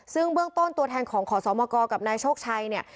ซึ่งเบื้องต้นตัวแทนของขอสมกกับนายโชคชัยเนี่ย